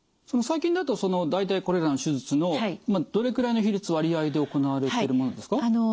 最近だと大体これらの手術のどれくらいの比率割合で行われてるものですか？